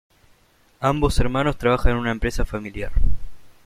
Ambos hermanos trabajan en una empresa familiar.